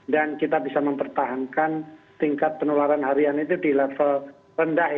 dan kita bisa mempertahankan tingkat penularan harian itu di level rendah